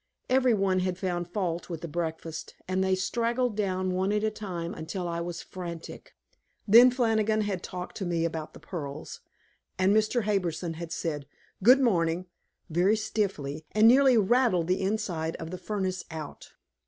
Every one had found fault with the breakfast, and they straggled down one at a time until I was frantic. Then Flannigan had talked to me about the pearls, and Mr. Harbison had said, "Good morning," very stiffly, and nearly rattled the inside of the furnace out.